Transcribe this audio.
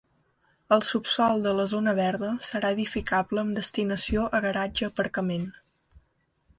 El subsòl de la zona verda serà edificable amb destinació a garatge-aparcament.